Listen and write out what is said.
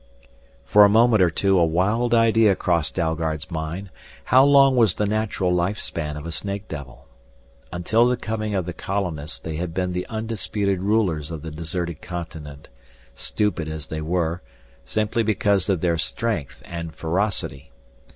For a moment or two a wild idea crossed Dalgard's mind. How long was the natural life span of a snake devil? Until the coming of the colonists they had been the undisputed rulers of the deserted continent, stupid as they were, simply because of their strength and ferocity.